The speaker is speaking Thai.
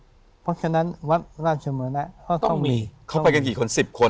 เพราะฉะนั้นวัดราชมรณะก็ต้องมีเขาไปกันกี่คนสิบคน